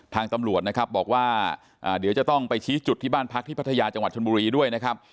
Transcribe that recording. ทางตำรวจนะครับบอกว่าเดี๋ยวจะต้องไปชี้จุดที่บ้านพักที่พัทยาจังหวัดชนบุรีด้วยนะครับ